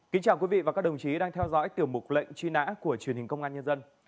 kính chào quý vị và các đồng chí đang theo dõi tiểu mục lệnh truy nã của truyền hình công an nhân dân